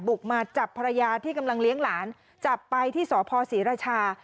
บุกมาจับภรรยาที่กำลังเลี้ยงหลานจับไปที่สพศรีราชา